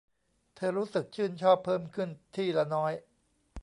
เธอรู้สึกชื่นชอบเพิ่มขึ้นที่ละน้อย